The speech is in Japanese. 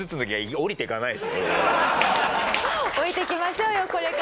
下りていきましょうよこれから。